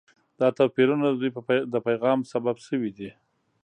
دا توپیرونه د دوی د پیغام سبب شوي دي.